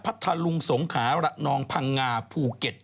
ทะลุงสงขาระนองพังงาภูเก็ต